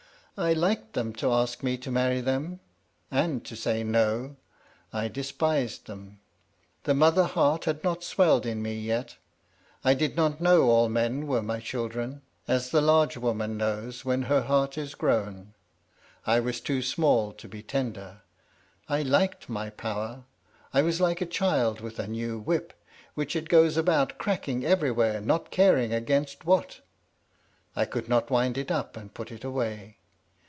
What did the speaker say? I liked them to ask me to marry them, and to say, No. I despised them. The mother heart had not swelled in me yet; I did not know all men were my children, as the large woman knows when her heart is grown. I was too small to be tender. I liked my power. I was like a child with a new whip, which it goes about cracking everywhere, not caring against what. I could not wind it up and put it away.